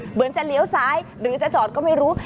เหมือนจะเลี้ยวซ้ายหรือจะจอดก็ไม่รู้